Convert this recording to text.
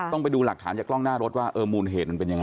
ต้องไปดูหลักฐานจากกล้องหน้ารถว่ามูลเหตุมันเป็นอย่างไร